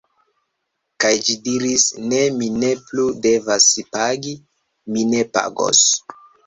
Kaj ĝi diris: ne, mi ne plu devas pagi, mi ne pagos.